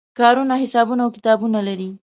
کارونه حسابونه او کتابونه لري.